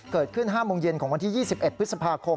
เกิดขึ้น๕โมงเย็นของวันที่๒๑พฤษภาคม